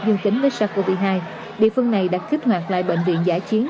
dương kính với sars cov hai địa phương này đã kích hoạt lại bệnh viện giải chiến